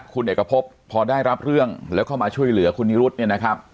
คุณเอกพบพอได้รับเรื่องไว้ก็ต้องช่วยคุณลูกเหฬส